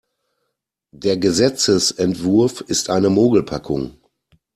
Der Gesetzesentwurf ist eine Mogelpackung.